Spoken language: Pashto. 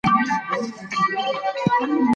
هوا یو لوی نعمت دی.